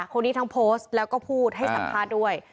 คนนี้ทั้งโพสต์แล้วก็พูดให้สัมภาษณ์ด้วย